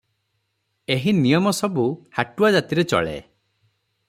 ଏହି ନିୟମ ସବୁ ହାଟୁଆ ଜାତିରେ ଚଳେ ।